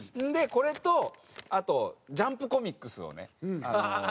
でこれとあとジャンプコミックスをね。